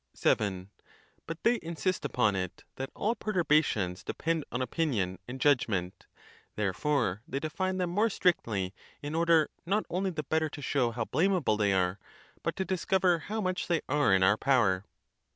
VII. But they insist upon it that all perturbations de pend on opinion and judgment; therefore they define them more strictly, in order not only the better to show how blamable they are, but to discover how much they are in our power.